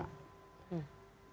cuma memang bedanya ya